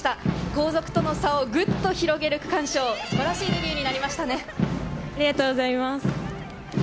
後続との差をグッと広げる区間賞、素晴らしい走りになりましたね。